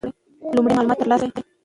لومړی معلومات ترلاسه کړئ.